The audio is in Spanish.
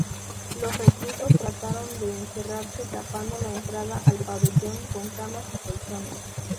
Los reclusos trataron de encerrarse, tapando la entrada al pabellón con camas y colchones.